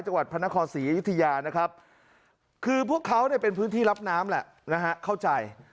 จังหวัดพระนครศรีอยุธยานะครับคือพวกเขาเนี่ยเป็นพื้นที่รับน้ำแหละนะฮะเข้าใจ